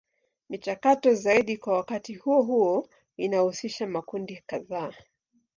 Michakato zaidi kwa wakati huo huo inahusisha makundi kadhaa.